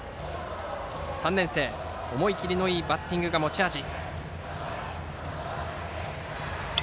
３年生、思い切りのいいバッティングが持ち味。